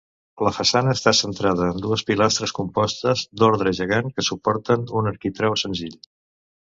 La façana està centrada en dues pilastres compostes d'ordre gegant que suporten un arquitrau senzill.